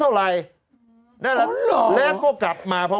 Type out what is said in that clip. เอาหรอ